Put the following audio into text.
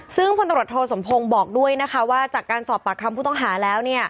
ซึ่งพลตรวจโทสมพงศ์บอกด้วยนะคะว่าจากการสอบปากคำผู้ต้องหาแล้ว